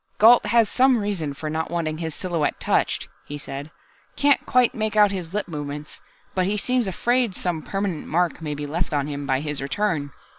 "Gault has some reason for not wanting his silhouette touched," he said. "Can't quite make out his lip movements, but he seems afraid some permanent mark may be left on him by his return.